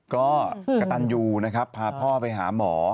ก็กระตาลยูพาพ่อไปหาหมอ